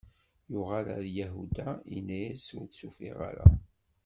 Yuɣal ɣer Yahuda, inna-yas: Ur tt-ufiɣ ara.